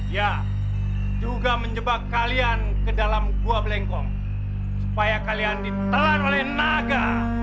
ya juga menjebak kalian ke dalam gua belengkong supaya kalian ditelan oleh naga